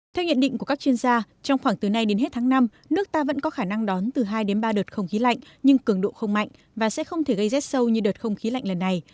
theo nhận định của các chuyên gia trong khoảng từ nay đến hết tháng năm nước ta vẫn có khả năng đón từ hai đến ba đợt không khí lạnh nhưng cường độ không mạnh và sẽ không thể gây rét sâu như đợt không khí lạnh lần này